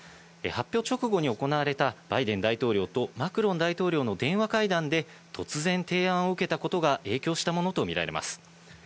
発表直後に行われたバイデン大統領とマクロン大統領の電話会談で、突然提案を受けたことが影響したものとみられます。